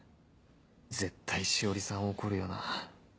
絶対詩織さん怒るよな